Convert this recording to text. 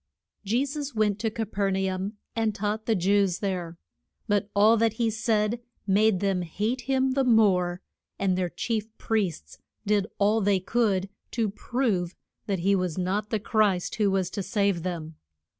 JE SUS went to Ca per na um and taught the Jews there. But all that he said made them hate him the more, and their chief priests did all they could to prove that he was not the Christ who was to save them.